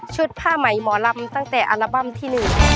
ผ้าใหม่หมอลำตั้งแต่อัลบั้มที่๑